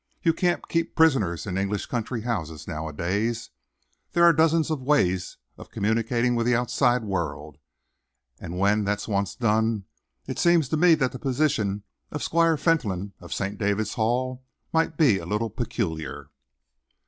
You can't keep prisoners in English country houses, nowadays. There are a dozen ways of communicating with the outside world, and when that's once done, it seems to me that the position of Squire Fentolin of St. David's Hall might be a little peculiar."